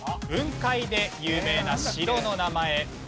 雲海で有名な城の名前。